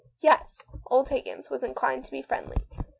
Yes, old Higgins was inclined to be friendly.